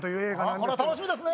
これは楽しみですね！